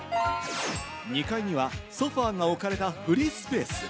２階にはソファが置かれたフリースペース。